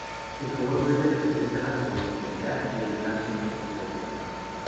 El color verde representa la prosperidad y el blanco representa la paz.